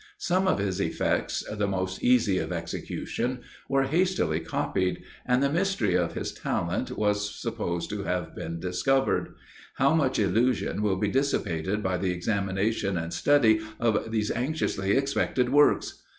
Some of his effects, the most easy of execution, were hastily copied, and the mystery of his talent was supposed to have been discovered. How much illusion will be dissipated by the examination and study of these anxiously expected works!